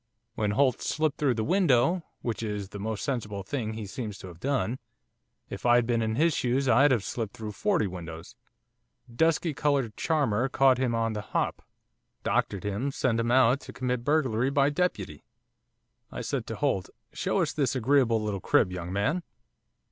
When Holt slipped through the window which is the most sensible thing he seems to have done; if I'd been in his shoes I'd have slipped through forty windows! dusky coloured charmer caught him on the hop, doctored him sent him out to commit burglary by deputy. I said to Holt, "Show us this agreeable little crib, young man."